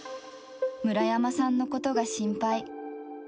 村山さんのことが心配。